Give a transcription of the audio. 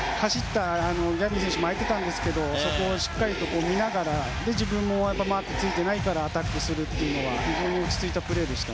ギャビン選手もあいていましたがそこをしっかり見ながら自分もマークについていないからアタックするというのは非常に落ち着いたプレーでした。